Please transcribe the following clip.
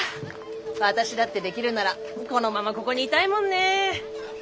私だってできるならこのままここにいたいもんねぇ。